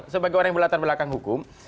sebagai orang yang berlatar belakang hukum